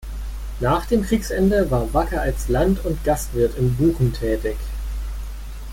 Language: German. Nach dem Kriegsende war Wacker als Land- und Gastwirt in Buchen tätig.